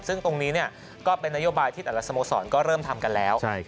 ซึ่งตรงนี้ก็เป็นนโยบายที่แต่ละสโมสรก็เริ่มทำกันแล้ว